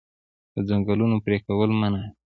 د ځنګلونو پرې کول منع دي.